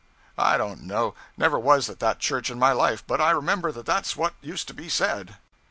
I don't know; never was at that church in my life; but I remember that that's what used to be said.